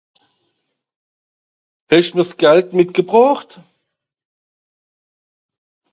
Hesch'm'r s'Gald mitgebrocht?